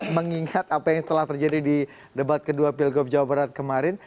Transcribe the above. mengingat apa yang telah terjadi di debat kedua pilgub jawa barat kemarin